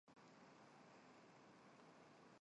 主要城镇包括华威和皇家利明顿温泉。